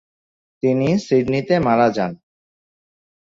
তিনি সিডনিতে মারা যান।